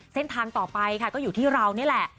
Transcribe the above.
เส้นทางต่อไปค่ะก็อยู่ที่เรานี่แหละ